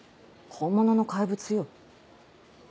本物の怪物。